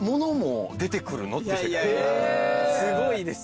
すごいですよね。